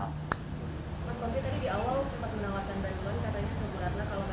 mas taufik tadi di awal sempat menawarkan bank loan